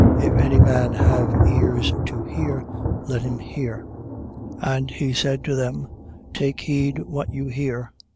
4:23. If any man have ears to hear, let him hear. 4:24. And he said to them: Take heed what you hear.